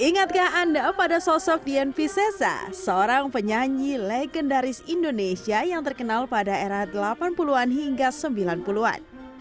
ingatkah anda pada sosok dian visesa seorang penyanyi legendaris indonesia yang terkenal pada era delapan puluh an hingga sembilan puluh an